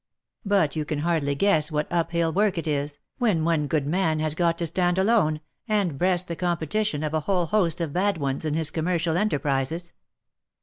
But you can hardly guess what up hill work it is, when one good man has got to stand alone, and breast the competition of a whole host of OF MICHAEL ARMSTRONG. 211 bad ones in his commercial enterprises.